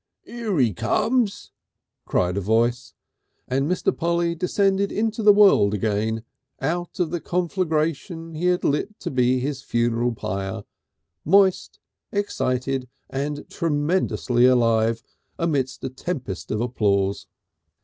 "'Ere 'e comes!" cried a voice, and Mr. Polly descended into the world again out of the conflagration he had lit to be his funeral pyre, moist, excited, and tremendously alive, amidst a tempest of applause.